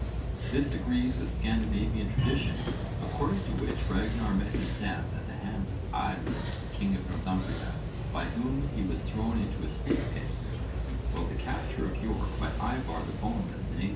This agrees with Scandinavian tradition according to which Ragnarr met his death at the hands of Aelle, king of Northumbria, by whom he was thrown into a snake pit, while the capture of York by Ívarr the Boneless in 866 7 (_v.